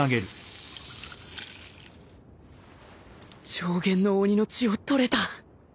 上弦の鬼の血を採れた